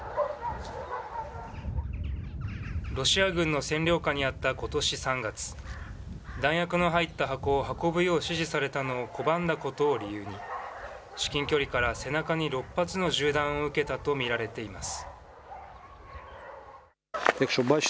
ロシア軍の占領下にあったことし３月、弾薬の入った箱を運ぶよう指示されたのを拒んだことを理由に、至近距離から背中に６発の銃弾を受けたと見られています。